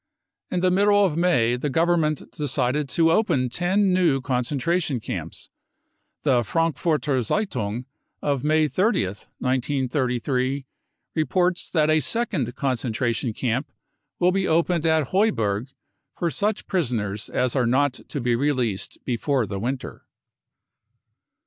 In the middle of May the Government decided to open ten new concentration camps. The Frankfurter Zeitung of May 30th, 1933, reports that a second concentration camp will be opened at Heuberg for such prisoners as are not to be released before the winter.